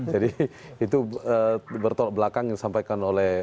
jadi itu bertolak belakang yang disampaikan oleh